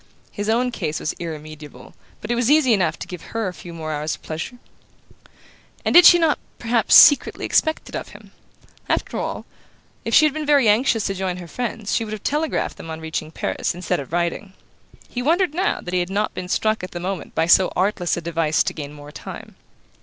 His own case was irremediable, but it was easy enough to give her a few more hours of pleasure. And did she not perhaps secretly expect it of him? After all, if she had been very anxious to join her friends she would have telegraphed them on reaching Paris, instead of writing. He wondered now that he had not been struck at the moment by so artless a device to gain more time.